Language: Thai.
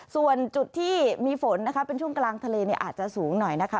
ส่วนจุดที่มีฝนนะคะเป็นช่วงกลางทะเลเนี่ยอาจจะสูงหน่อยนะคะ